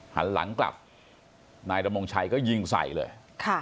หันหลังกลับนายดำรงชัยก็ยิงใส่เลยค่ะ